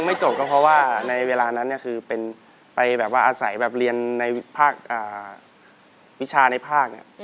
ไม่จบก็เพราะว่าในเวลานั้นคือไปอาศัยเรียนวิชาในภาค